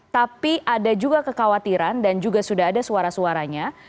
tapi ada juga kekhawatiran dan juga sudah ada suara suaranya